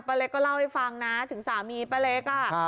เล็กก็เล่าให้ฟังนะถึงสามีป้าเล็ก